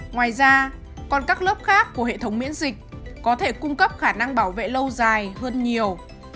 ngoài ra còn các lớp khác của hệ thống miễn dịch có thể cung cấp khả năng bảo vệ lâu dài hơn nhiều